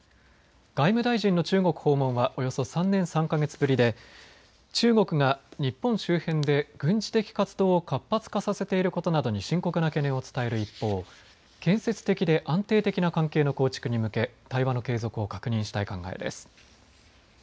外務大臣の中国訪問はおよそ３年３か月ぶりで中国が日本周辺で軍事的活動を活発化させていることなどに深刻な懸念を伝える一方、建設的で安定的な関係の構築に向け対話の継続を確認したい考えです。